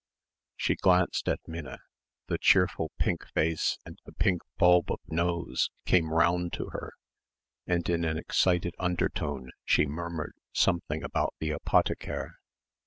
She glanced at Minna the cheerful pink face and the pink bulb of nose came round to her and in an excited undertone she murmured something about the apotheker.